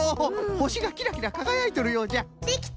ほしがキラキラかがやいとるようじゃ。